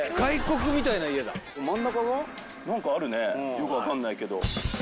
よく分かんないけど。